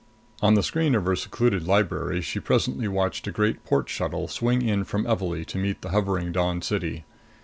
On the screen of her secluded library, she presently watched a great port shuttle swing in from Evalee to meet the hovering Dawn City.